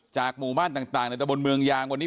หมู่บ้านต่างในตะบนเมืองยางวันนี้